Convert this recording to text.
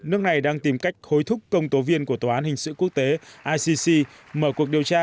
nước này đang tìm cách hối thúc công tố viên của tòa án hình sự quốc tế icc mở cuộc điều tra